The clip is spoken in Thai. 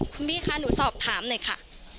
คุณบี้คะหนูสอบถามหน่อยค่ะ